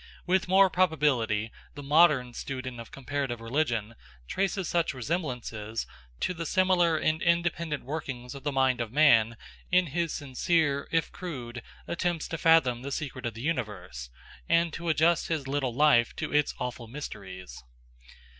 With more probability the modern student of comparative religion traces such resemblances to the similar and independent workings of the mind of man in his sincere, if crude, attempts to fathom the secret of the universe, and to adjust his little life to its awful mysteries.